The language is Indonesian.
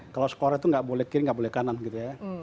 kalau skor itu nggak boleh kiri nggak boleh kanan gitu ya